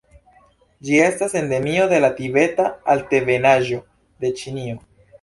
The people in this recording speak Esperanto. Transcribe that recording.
Ĝi estas endemio de la Tibeta Altebenaĵo de Ĉinio.